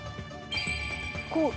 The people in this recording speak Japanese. こう。